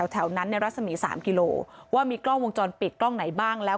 แถวนั้นในรัศมี๓กิโลว่ามีกล้องวงจรปิดกล้องไหนบ้างแล้ว